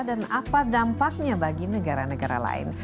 dan apa dampaknya bagi negara negara lain